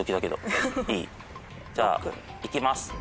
じゃあいきます。